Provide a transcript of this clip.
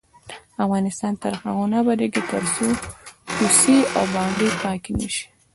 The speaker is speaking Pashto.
افغانستان تر هغو نه ابادیږي، ترڅو کوڅې او بانډې پاکې نشي.